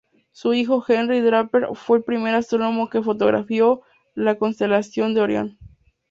Su hijo, Henry Draper, fue el primer astrónomo que fotografió la constelación de Orión.